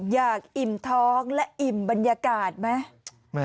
อิ่มท้องและอิ่มบรรยากาศไหม